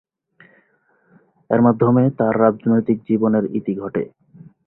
এর মাধ্যমে তার রাজনৈতিক জীবনের ইতি ঘটে।